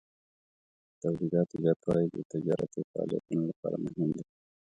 د تولیداتو زیاتوالی د تجارتي فعالیتونو لپاره مهم دی.